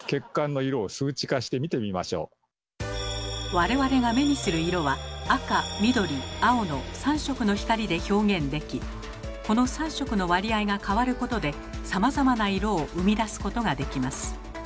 我々が目にする色は赤緑青の３色の光で表現できこの３色の割合が変わることでさまざまな色を生み出すことができます。